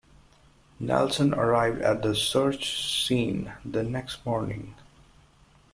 Nelson arrived at the search scene the next morning.